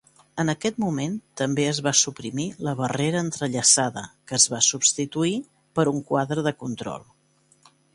En aquest moment també es va suprimir la barrera entrellaçada, que es va substituir per un quadre de control.